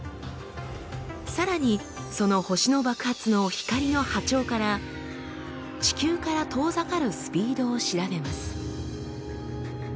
さらにその星の爆発の光の波長から地球から遠ざかるスピードを調べます。